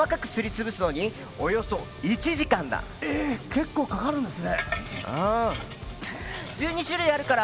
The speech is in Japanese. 結構かかるんですね。